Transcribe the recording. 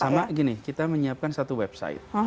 sama gini kita menyiapkan satu website